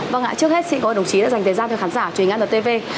vâng ạ trước hết xin gọi đồng chí đã dành thời gian cho khán giả truyền ngã ntv